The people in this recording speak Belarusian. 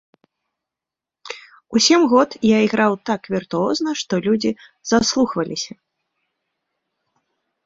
У сем год я іграў так віртуозна, што людзі заслухваліся.